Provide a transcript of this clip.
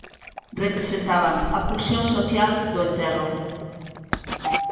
Representaban a pulsión social do encerro.